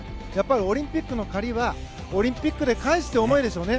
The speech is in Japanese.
オリンピックの借りはオリンピックで返すという思いでしょうね。